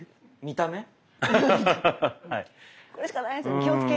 見た目。